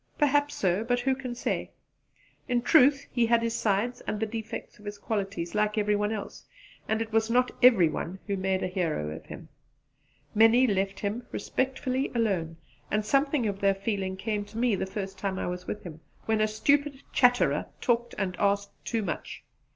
Perhaps so: but who can say! In truth he had his sides and the defects of his qualities, like every one else; and it was not every one who made a hero of him. Many left him respectfully alone; and something of their feeling came to me the first time I was with him, when a stupid chatterer talked and asked too much.